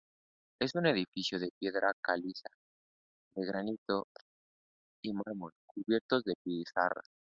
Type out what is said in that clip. Es un edificio de piedra caliza, de granito y mármol, cubierto de pizarra.